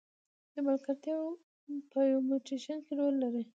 د باکتریاوو په میوټیشن کې رول لري.